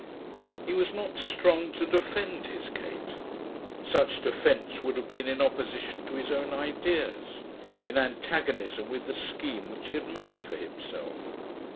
He was not strong to defend his Kate. Such defence would have been in opposition to his own ideas, in antagonism with the scheme which he had made for himself.